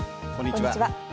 こんにちは。